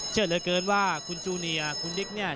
เชื่อเหลือเกินว่าคุณจูเนียคุณดิ๊กเนี่ย